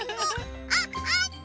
あっあった！